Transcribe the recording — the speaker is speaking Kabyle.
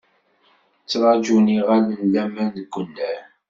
Ttraǧun yiɣallen n laman deg unnar.